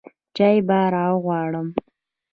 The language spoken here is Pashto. چاى به راغواړم.